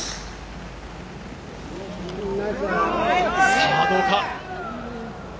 さぁどうか？